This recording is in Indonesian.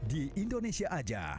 di indonesia aja